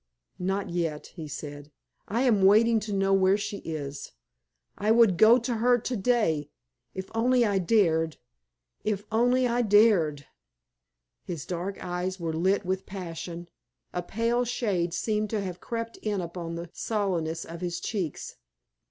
"Not yet," he said; "I am waiting to know where she is; I would go to her to day if only I dared if only I dared!" His dark eyes were lit with passion; a pale shade seemed to have crept in upon the sallowness of his cheeks.